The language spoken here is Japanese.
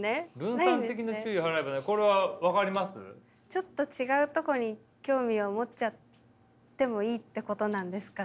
ちょっと違うとこに興味を持っちゃってもいいってことなんですかね？